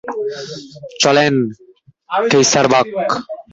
চলেন, কেয়সারবাগ।